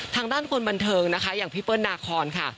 ทางด้านคนบันเทิงนะคะอย่างพี่เปิ้ลนาคอนค่ะ